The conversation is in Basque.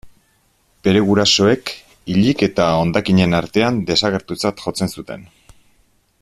Bere gurasoek hilik eta hondakinen artean desagertutzat jotzen zuten.